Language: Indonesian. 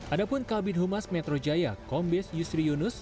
adapun kalbin humas metro jaya kombes yusri yunus